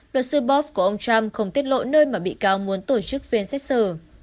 luật sư booth của ông trump không tiết lộ nơi mà bị cáo muốn tổ chức phiên xét xử